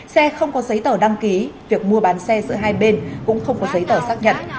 xe không có giấy tờ đăng ký việc mua bán xe giữa hai bên cũng không có giấy tờ xác nhận